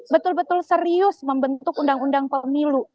betul betul serius membentuk undang undang pemilu